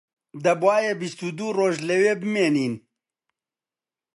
دەبوایە بیست و دوو ڕۆژ لەوێ بمێنین